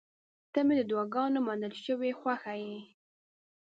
• ته مې د دعاګانو منل شوې خوښه یې.